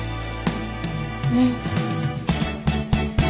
うん。